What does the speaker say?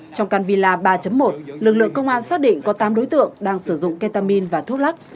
trong căn villa ba một lực lượng công an xác định có tám đối tượng đang sử dụng ketamin và thuốc lắc